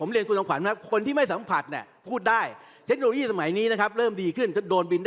บีเซนต์ไม่แน่ใจว่าเราควรจะรู้สึกกับตัวเลขนี้ยังไงนะ